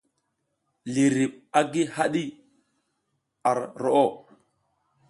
Liriɓ a gi haɗi ar roʼo.